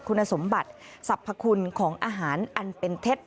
คุณสมบัติสรรพคุณของอาหารอันเป็นเท็จ